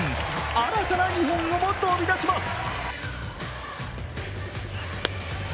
新たな日本語も飛び出します。